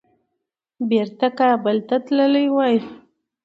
بیرته کابل ته تللي وای.